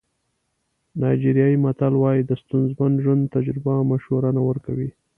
نایجیریایي متل وایي د ستونزمن ژوند تجربه مشوره نه ورکوي.